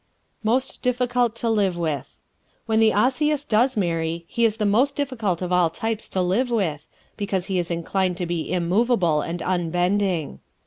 Most Difficult to Live With ¶ When the Osseous does marry he is the most difficult of all types to live with, because he is inclined to be immovable and unbending.